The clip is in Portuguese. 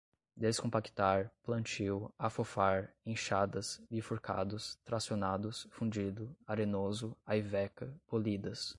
descompactar, plantio, afofar, enxadas, bifurcados, tracionados, fundido, arenoso, aiveca, polidas